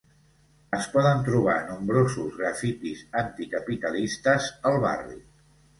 Es poden trobar nombrosos grafitis anticapitalistes al barri.